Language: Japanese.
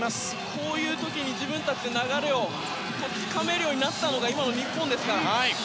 こういう時に自分たちで流れをつかめるようになったのが今の日本ですから。